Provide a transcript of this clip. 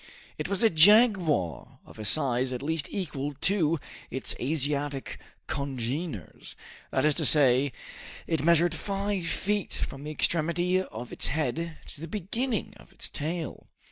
It was a jaguar of a size at least equal to its Asiatic congeners, that is to say, it measured five feet from the extremity of its head to the beginning of its tail.